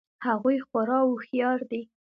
هغوی خورا هوښیار دي